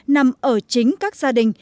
nằm ở chính các gia đình